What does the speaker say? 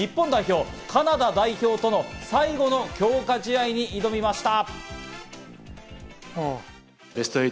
日本代表はカナダ代表との最後の強化試合に挑みました。